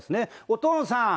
「お父さん！」